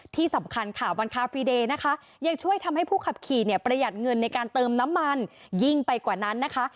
ที่สำคัญค่ะวันคาฟีเดย์นะคะยังช่วยทำให้ผู้ขับขี่เนี่ยประหยัดเงินในการเติมน้ำมันยิ่งไปกว่านั้นนะคะ